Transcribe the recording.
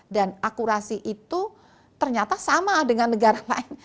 dan akurasi itu ternyata sama dengan negara lain